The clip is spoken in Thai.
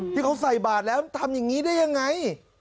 ที่เค้าใส่บาทแล้วมันทำยังงี้ด้วยยังไง